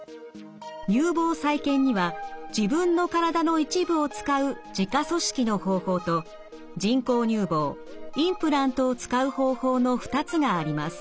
乳房再建には自分のからだの一部を使う自家組織の方法と人工乳房インプラントを使う方法の２つがあります。